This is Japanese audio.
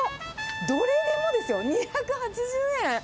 どれでもですよ、２８０円！